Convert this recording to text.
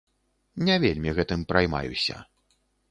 Не вельмі гэтым праймаюся.